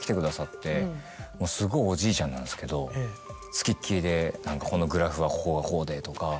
もうすごいおじいちゃんなんですけど付きっきりでこのグラフはここがこうでとか。